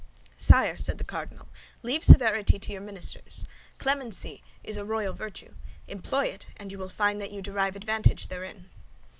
"Sire," said the cardinal, "leave severity to your ministers. Clemency is a royal virtue; employ it, and you will find that you derive advantage therein."